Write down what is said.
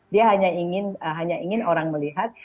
dia hanya ingin orang melihat